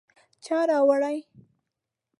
_چا راوړې ؟